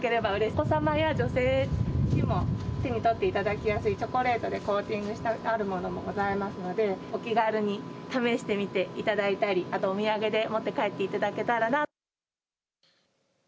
お子さんや女性にも手に取っていただきやすいチョコレートでコーティングしたものもございますのでお気軽に試してみていただいたりあと、お土産で持って帰っていただけたらな。